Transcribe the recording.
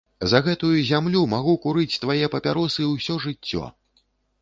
За гэтую зямлю магу курыць твае папяросы ўсё жыццё.